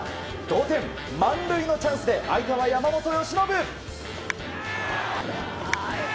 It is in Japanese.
同点、満塁のチャンスで相手は山本由伸。